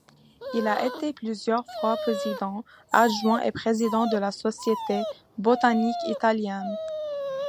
Il a été plusieurs fois président-adjoint et président de la Société botanique italienne.